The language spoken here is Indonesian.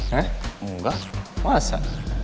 hah nggak masa